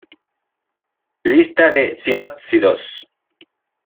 Lista de sinápsidos